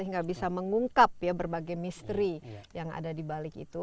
hingga bisa mengungkap berbagai misteri yang ada di balik itu